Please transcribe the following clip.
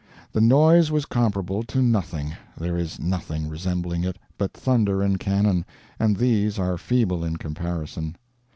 The noise was comparable to nothing; there is nothing resembling it but thunder and cannon, and these are feeble in comparison.